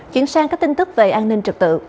chuyển sang các tin tức về an ninh trật tự